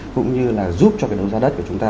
cũng như là giúp cho cái đấu giá đất của chúng ta